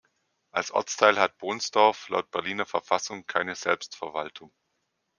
Als Ortsteil hat Bohnsdorf laut Berliner Verfassung keine Selbstverwaltung.